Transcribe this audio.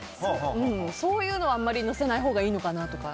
そういうのは、あまり載せないほうがいいのかなとか。